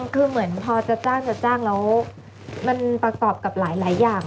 คือเหมือนพอจะจ้างจะจ้างแล้วมันประกอบกับหลายอย่าง